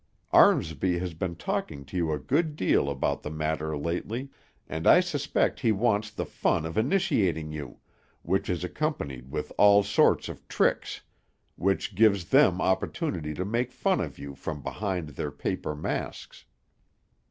Armsby has been talking to you a good deal about the matter lately, and I suspect he wants the fun of initiating you, which is accompanied with all sorts of tricks, which gives them opportunity to make fun of you from behind their paper masks."